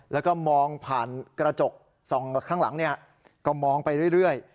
แล้วก็มองผ่านกระจกส่องข้างหลังก็มองไปเรื่อย